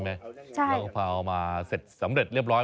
อ๋อด้วยใบตองใช่ไหมแล้วก็พาออกมาเสร็จสำเร็จเรียบร้อย